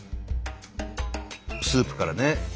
スープからね。